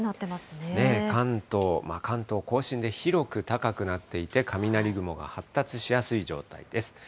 関東、関東甲信で、広く高くなっていて、雷雲が発達しやすい状態です。